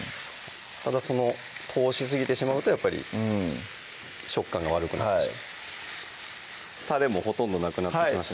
ただその通しすぎてしまうとやっぱり食感が悪くなってしまうたれもほとんどなくなってきました